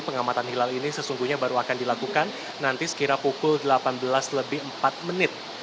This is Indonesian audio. pengamatan hilal ini sesungguhnya baru akan dilakukan nanti sekira pukul delapan belas lebih empat menit